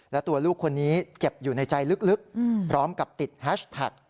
และตัวลูกคนนี้เจ็บอยู่ในใจลึกพร้อมกับติดแฮชแท็ก